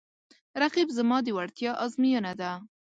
رقیب زما د وړتیا ازموینه ده